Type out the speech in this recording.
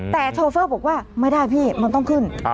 แต่โชเฟอร์บอกว่าไม่ได้พี่มันต้องขึ้น